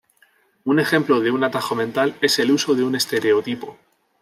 Un ejemplo de un atajo mental es el uso de un estereotipo.